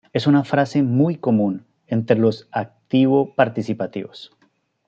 Es una frase muy común entre los activo- participativos.